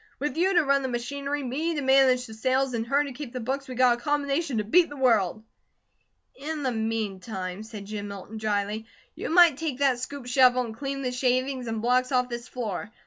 With you to run the machinery, me to manage the sales, and her to keep the books, we got a combination to beat the world." "In the meantime," said Jim Milton dryly, "you might take that scoop shovel and clean the shavings and blocks off this floor.